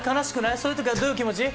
そういうときはどういう気持ち？